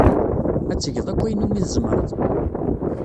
Ad tgeḍ akk ayen umi tzemreḍ.